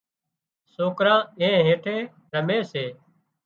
سوڪران اين هيٺي رمي سي